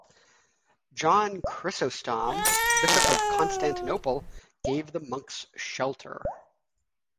John Chrysostom, Bishop of Constantinople, gave the monks shelter.